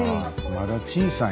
まだ小さい。